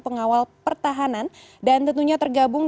pengawal pertahanan dan tentunya tergabung